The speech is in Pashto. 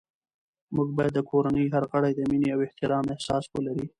موږ باید د کورنۍ هر غړی د مینې او احترام احساس ولري